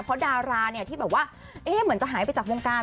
เพราะดาราที่เหมือนจะหายไปจากวงการ